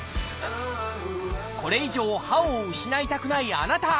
これ以上歯を失いたくないあなた！